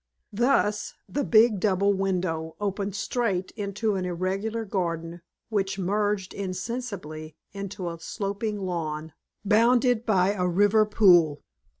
Thus, the big double window opened straight into an irregular garden which merged insensibly into a sloping lawn bounded by a river pool.